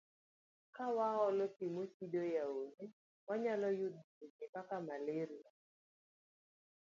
Ka waolo pi mochido e aore, wanyalo yudo tuoche kaka malaria.